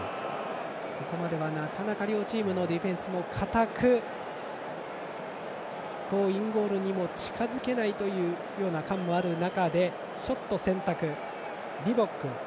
ここまでは、なかなか両チームのディフェンスも堅くインゴールにも近づけないというような感もある中でショット選択、リボック。